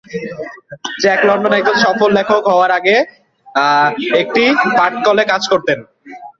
Jack London একজন সফল লেখক হওয়ার আগে একটি পাটকলে কাজ করতেন।